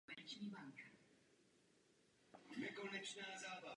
Pracoval pak v armádě jako pilot a operační letecký důstojník v Las Vegas.